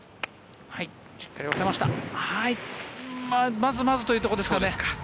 まずまずというところですね。